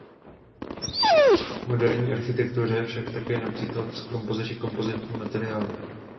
V moderní architektuře však také například sklo či kompozitní materiály.